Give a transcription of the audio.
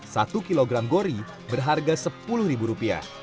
satu kilogram gori berharga sepuluh rupiah